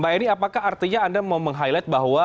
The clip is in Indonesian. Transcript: mbak eni apakah artinya anda mau meng highlight bahwa